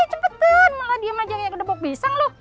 hai cepetan malah diam aja kayak kedepok pisang loh